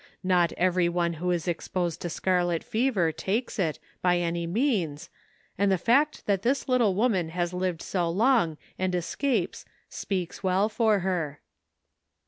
Not every one who is exposed to scarlet fever takes it, by any means, and the fact that this little woman has lived so long and escaped speaks well for her."